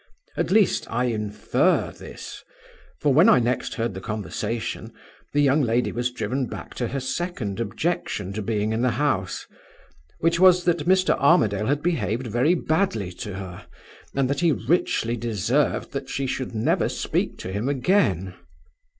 At least, I infer this; for, when I next heard the conversation, the young lady was driven back to her second objection to being in the house which was, that Mr. Armadale had behaved very badly to her, and that he richly deserved that she should never speak to him again.